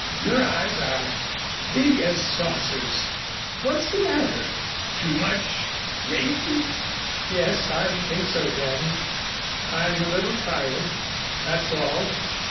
Your eyes are big as saucers. What's the matter? Too much gayety?" "Yes, I think so, Daddy. I'm a little tired, that's all.